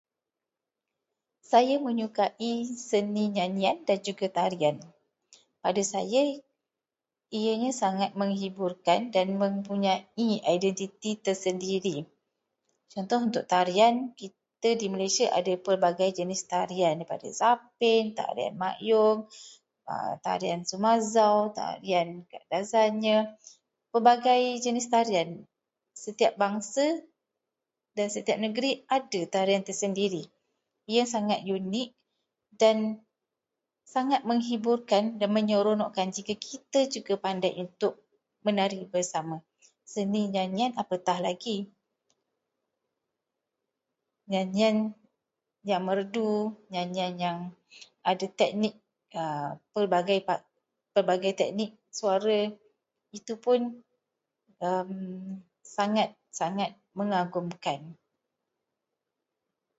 Saya menyukai seni nyanyian dan juga tarian. Pada saya, ianya sangat menghiburkan dan mempunyai identiti tersendiri. Contoh untuk tarian, kita di Malaysia ada pelbagai jenis tarian, daripada zapin, tarian Mak Yong, tarian Sumazau, tarian Kadazan. Pelbagai jenis tarian, setiap bangsa dan setiap negeri ada tarian tersendiri. Ia sangat unik dan sangat menghiburkan dan menyeronokkan jika kita juga pandai untuk menari bersama. Seni nyanyian apatah lagi. Nyanyian yang merdu, nyanyian yang ada teknik - pebagai teknik suara, itu pun sangat-sangat mengagumkan.